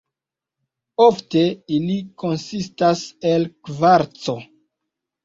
Ofte ili konsistas el kvarco.